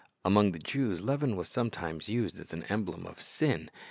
Among the Jews, leaven was sometimes used as an emblem of sin.